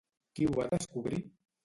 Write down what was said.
Qui ho va descobrir?